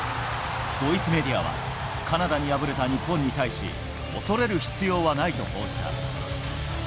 ドイツメディアは、カナダに敗れた日本に対し、恐れる必要はないと報じた。